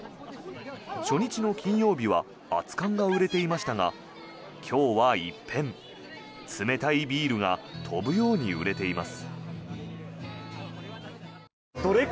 初日の金曜日は熱燗が売れていましたが今日は一変、冷たいビールが飛ぶように売れています。